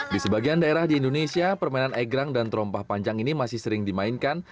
di sebagian daerah di indonesia permainan egrang dan terompah panjang ini masih sering dimainkan